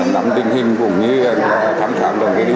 nằm tình hình cũng như thám thám đồng y tế